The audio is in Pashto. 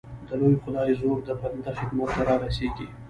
د لوی خدای زور د بنده خدمت ته را رسېږي.